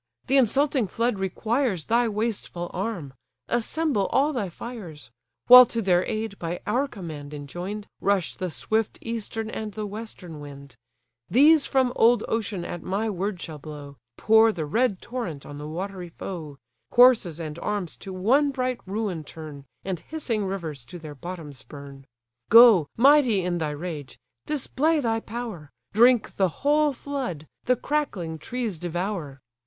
the insulting flood requires Thy wasteful arm! assemble all thy fires! While to their aid, by our command enjoin'd, Rush the swift eastern and the western wind: These from old ocean at my word shall blow, Pour the red torrent on the watery foe, Corses and arms to one bright ruin turn, And hissing rivers to their bottoms burn. Go, mighty in thy rage! display thy power, Drink the whole flood, the crackling trees devour.